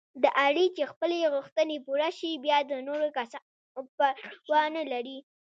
د علي چې خپلې غوښتنې پوره شي، بیا د نورو کسانو پروا نه لري.